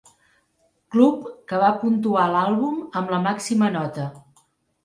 Club, que va puntuar l'àlbum amb la màxima nota.